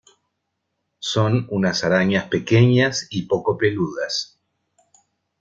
Son unas arañas pequeñas y poco peludas.